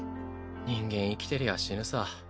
人間生きてりゃ死ぬさ。